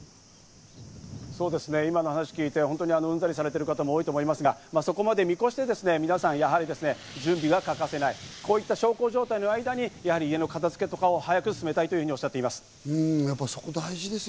そうですね、今の話を聞いてうんざりされてる方も多いんですが、それを見越して皆さん準備が欠かせない、こういった小康状態の間に家の片付けとかを早く進めたいとおっしゃっています。